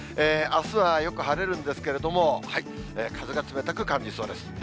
あすはよく晴れるんですけれども、風が冷たく感じそうです。